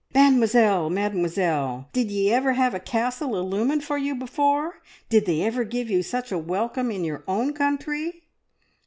Mademoiselle, Mademoiselle, did ye ever have a castle illumined for you before? Did they ever give you such a welcome in your own country?"